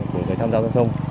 của người tham gia giao thông